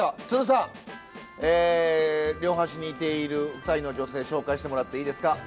鶴さん両端にいている２人の女性紹介してもらっていいですか。